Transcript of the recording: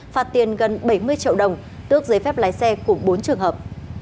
phạt tiền gần bảy mươi triệu đồng tước giấy phép lái xe của bốn trường hợp